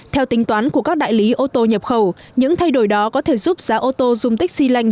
theo tính toán của các đại lý ô tô nhập khẩu những thay đổi đó có thể giúp giá ô tô dùng tích xy lanh